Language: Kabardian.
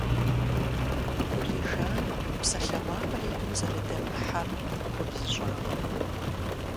Гулижан псалъэмакъыр и гум зэрыдэмыхьэр хуэбзыщӀакъым.